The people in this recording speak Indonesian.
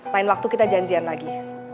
lain waktu kita janjian lagi